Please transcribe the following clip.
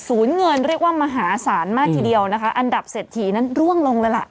เงินเรียกว่ามหาศาลมากทีเดียวนะคะอันดับเศรษฐีนั้นร่วงลงเลยล่ะ